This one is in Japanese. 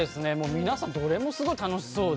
皆さんどれもすごい楽しそうで。